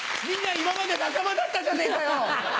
みんな今まで仲間だったじゃねえかよ！